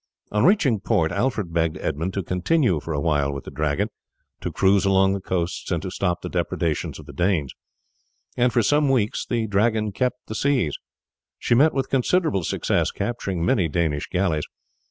On reaching port Alfred begged Edmund to continue for a while with the Dragon, to cruise along the coasts and to stop the depredations of the Danes; and for some weeks the Dragon kept the seas. She met with considerable success, capturing many Danish galleys.